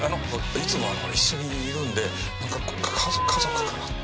いつもほら一緒にいるんで家族かなって。